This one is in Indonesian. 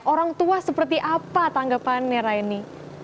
orang tua seperti apa tanggapannya raini